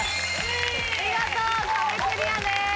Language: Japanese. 見事壁クリアです。